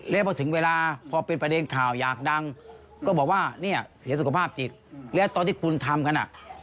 แล้วพอถึงเวลาพอเป็นประเด็นข่าวอยากดังก็บอกว่าเนี่ยเสียสุขภาพจิตแล้วตอนที่คุณทำกันอ่ะ